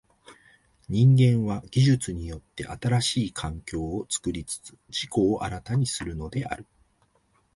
人間は技術によって新しい環境を作りつつ自己を新たにするのである。